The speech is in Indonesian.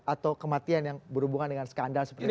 atau kematian yang berhubungan dengan skandal seperti itu